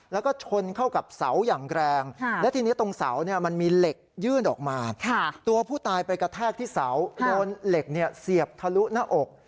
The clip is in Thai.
แล้วก็ชนเข้ากับเสาอย่างแรงและทีนี้ตรงเสามันมีเหล็กยื่นออกมาตัวผู้ตายไปกระแทกที่เสาโดนเหล็กเสียบทะลุหน้าอก